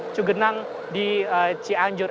cugenang di cianjur